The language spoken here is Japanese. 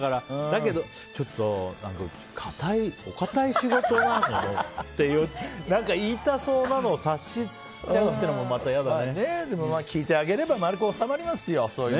だけどちょっとお堅い仕事なのよって何か言いたそうなのを察するのもでも、聞いてあげれば丸く収まりますよ。